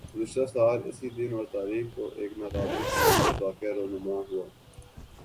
گزشتہ سال اسی دن اور تاریخ کو ایک نا قابل فراموش واقعہ رونما ھوا